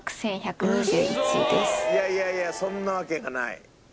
いやいやいやそんなわけがない。